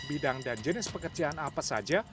bidang dan jenis pekerjaan apa saja